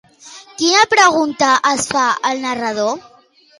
Quina pregunta es fa el narrador?